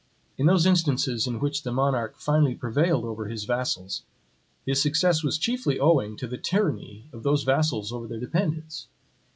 In those instances in which the monarch finally prevailed over his vassals, his success was chiefly owing to the tyranny of those vassals over their dependents.